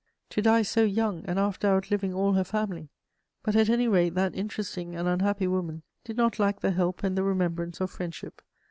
To die so young, and after outliving all her family! But, at any rate, that interesting and unhappy woman did not lack the help and the remembrance of friendship.